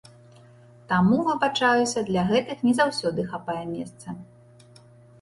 Таму, выбачаюся, для гэтых не заўсёды хапае месца.